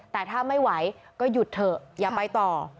แต่ถ้าไม่ไหวก็หยุดเถอะอย่าไปต่อ